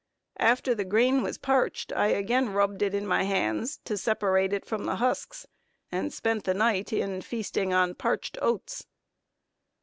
After the grain was parched, I again rubbed it in my hands, to separate it from the husks, and spent the night in feasting on parched oats.